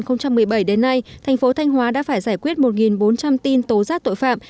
từ tháng một mươi hai năm hai nghìn một mươi bảy đến nay thành phố thanh hóa đã phải giải quyết một bốn trăm linh tin tố giác tội phạm